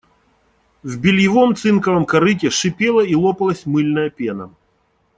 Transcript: В бельевом цинковом корыте шипела и лопалась мыльная пена.